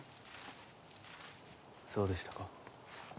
そうでしたか。